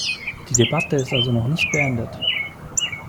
Die Debatte ist also noch nicht beendet.